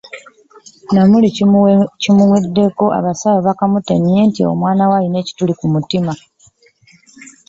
Namujju Agness kimuweddeko abasawo webakamutemye nti omwana we alina ekituli ku mutima.